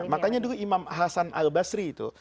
makanya dulu imam hasan al basri itu